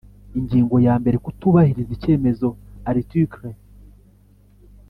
Ingingo ya mbere Kutubahiriza icyemezo Article